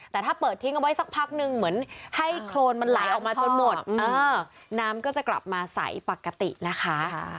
แต่ถ้าเปิดทิ้งเอาไว้สักพักนึงเหมือนให้โครนมันไหลออกมาจนหมดน้ำก็จะกลับมาใสปกตินะคะ